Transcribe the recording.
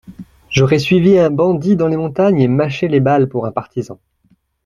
J'aurais suivi un bandit dans les montagnes, et mâché les balles pour un partisan.